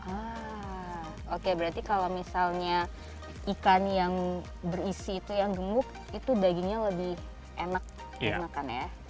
ah oke berarti kalau misalnya ikan yang berisi itu yang gemuk itu dagingnya lebih enak dimakan ya